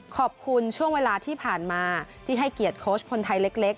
ช่วงเวลาที่ผ่านมาที่ให้เกียรติโค้ชคนไทยเล็ก